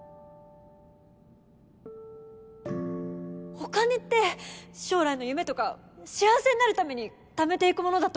お金って将来の夢とか幸せになるためにためていくものだと思うの